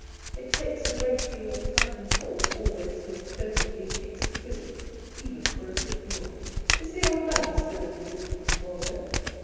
It takes a great deal of time and thought always to look perfectly exquisite, even for a pretty woman. Is the old buggy still in existence, Waldo?"